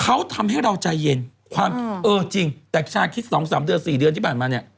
เขาทำให้เราใจเย็นจริงแต่ชาคริสต์สองสามเษยอ่อนสี่เดือนที่ผ่านมา